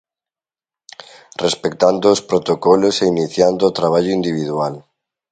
Respectando os protocolos e iniciando o traballo individual.